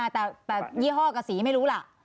แต่ยี่ห้อกับสีไม่รู้ล่ะ